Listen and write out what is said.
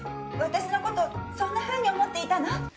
私の事そんなふうに思っていたの？